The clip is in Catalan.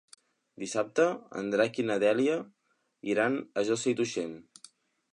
Dissabte en Drac i na Dèlia iran a Josa i Tuixén.